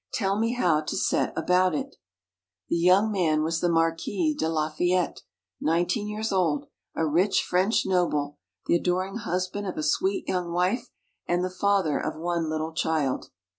"Tell me how to set about it!" The young man was the Marquis de Lafayette, nineteen years old, a rich French noble, the adoring husband of a sweet young wife, and the father of one little child.